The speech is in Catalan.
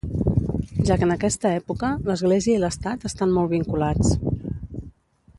Ja que en aquesta època l'església i l'Estat estan molt vinculats.